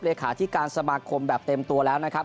เลขาที่การสมาคมแบบเต็มตัวแล้วนะครับ